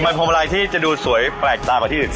มันพวงมาลัยที่จะดูสวยแปลกตากว่าที่อื่น